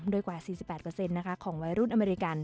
โดยกว่า๔๘ของวัยรุ่นอเมริกัน